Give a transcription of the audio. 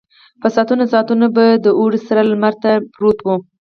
په ساعتونو ساعتونو به د اوړي سره لمر ته پروت و.